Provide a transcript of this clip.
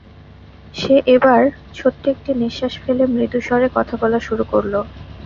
সে এবার ছোট্ট একটি নিঃশ্বাস ফেলে মৃদু স্বরে কথা বলা শুরু করল।